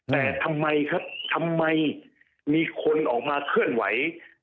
แต่ทำไมครับทำไมมีคนออกมาเคลื่อนไหว